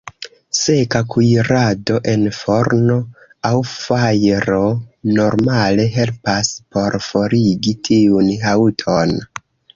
Seka kuirado en forno aŭ fajro normale helpas por forigi tiun haŭton.